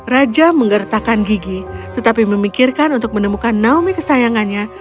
raja menggertakkan gigi tetapi memikirkan untuk menemukan naomi kesayangannya